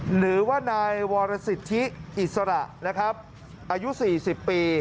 หรือว่านายวรสิทธิอิสระนะครับอายุ๔๐ปี